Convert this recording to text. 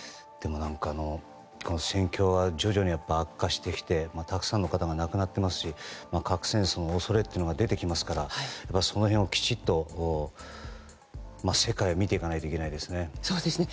戦況が徐々に悪化してきてたくさんの方が亡くなっていますし核戦争の恐れが出てきますからその辺はきちんと世界を見ていかないといけないですね。